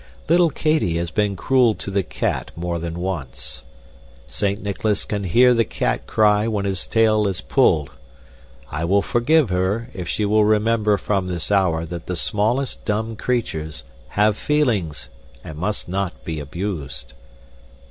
Little Katy has been cruel to the cat more than once. Saint Nicholas can hear the cat cry when its tail is pulled. I will forgive her if she will remember from this hour that the smallest dumb creatures have feelings and must not be abused."